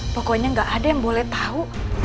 pokoknya nggak ada yang boleh tahu